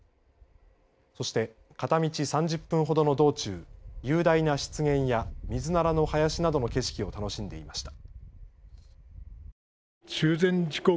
そして、片道３０分ほどの道中、雄大な湿原やミズナラの林などの景色を楽しんでいました。